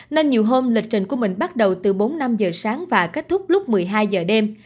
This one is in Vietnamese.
nên nhiều hôm lịch trình của mình bắt đầu từ bốn năm giờ sáng và kết thúc lúc một mươi hai giờ đêm